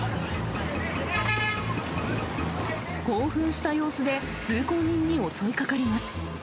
興奮した様子で、通行人に襲いかかります。